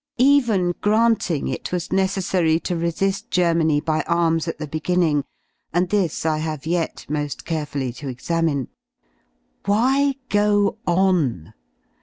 Even granting it was necessary to resi^ Germany by 57 arms at the beginning — and this I have yet mo^ carefully to examine — why go on?